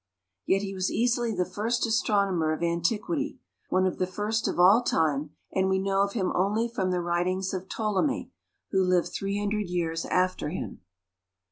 Yet he was easily the first astronomer of antiquity, one of the first of all time; and we know of him only from the writings of Ptolemy, who lived three hundred years after him.